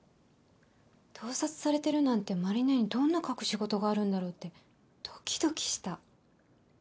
盗撮されてるなんて麻里姉にどんな隠し事があるんだろうってドキドキした。